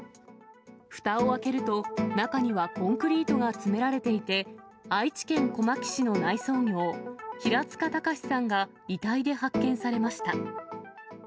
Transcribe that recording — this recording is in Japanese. ふたを開けると中にはコンクリートが詰められていて、愛知県小牧市の内装業、平塚崇さんが遺体で発見されました。